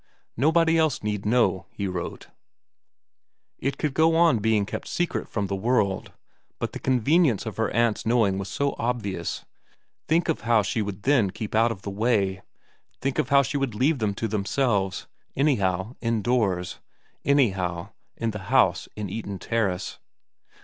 Nobody else need know, he wrote ; it could go on being kept secret from the world ; but the convenience of her aunt's knowing was so obvious, think of how she would then keep out of the way, think of how she would leave them to themselves, anyhow indoors, anyhow in the house in Eaton Terrace.